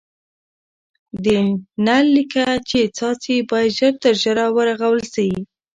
د نل لیکه چي څاڅي باید ژر تر ژره ورغول سي.